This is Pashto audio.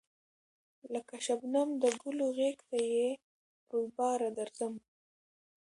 لکه شبنم د گلو غېږ ته بې رویباره درځم